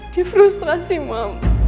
dia frustrasi mam